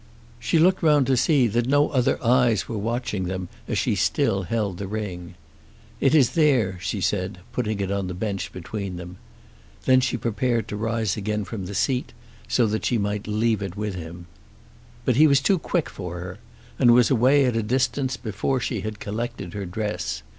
She looked round to see that no other eyes were watching them as she still held the ring. "It is there," she said, putting it on the bench between them. Then she prepared to rise from the seat so that she might leave it with him. But he was too quick for her, and was away at a distance before she had collected her dress.